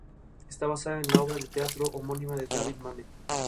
Está basada en la obra de teatro homónima de David Mamet.